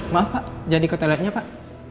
maaf pak jadi ke toiletnya pak